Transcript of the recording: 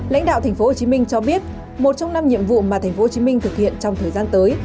lãnh đạo tp hcm cho biết một trong năm nhiệm vụ mà tp hcm thực hiện trong thời gian tới